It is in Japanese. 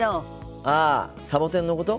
ああサボテンのこと？